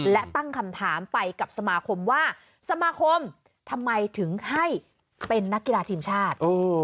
และตั้งคำถามไปกับสมาคมว่าสมาคมทำไมถึงให้เป็นนักกีฬาทีมชาติ